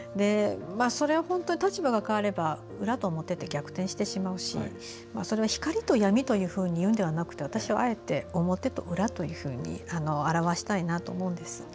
それは本当に立場がかわれば裏と表で、逆転してしまうしそれは光と闇というふうに言うのではなくて、私はあえて「表と裏」というふうに表したいなと思うんです。